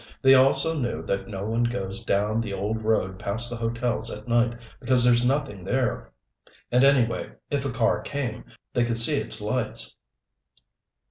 They also knew that no one goes down the old road past the hotels at night because there's nothing there. And anyway, if a car came, they could see its lights."